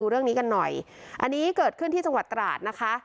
เรื่องนี้กันหน่อยอันนี้เกิดขึ้นที่จังหวัดตราดนะคะ